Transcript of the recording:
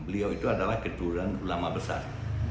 beliau itu adalah keturunan ulama besar